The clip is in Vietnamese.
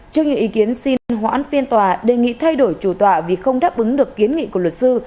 trước những ý kiến xin hoãn phiên tòa đề nghị thay đổi chủ tòa vì không đáp ứng được kiến nghị của luật sư